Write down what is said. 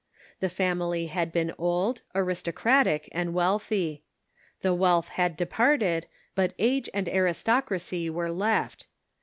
The family had been old, aristocratic and wealthy. The wealth had departed, but age and aristocracy were left.